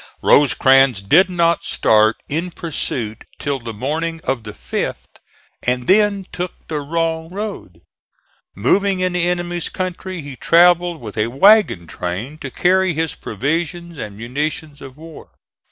Rosecrans did not start in pursuit till the morning of the 5th and then took the wrong road. Moving in the enemy's country he travelled with a wagon train to carry his provisions and munitions of war.